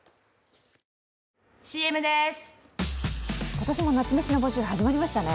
今年も夏メシの募集始まりましたね。